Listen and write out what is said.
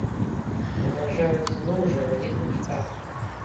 Пагражаюць зноў жа вялізным штрафам.